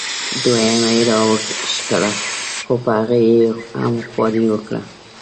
دویمه یې را وښکله خو په هغې یې هم خواري وکړه.